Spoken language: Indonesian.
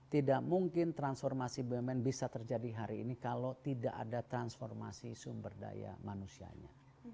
tidak mungkin transformasi bumn bisa terjadi hari ini kalau tidak ada transformasi sumber daya manusianya